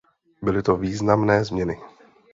Byly to významné změny.